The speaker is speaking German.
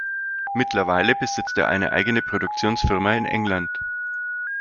Mittlerweile besitzt er eine eigene Produktionsfirma in England.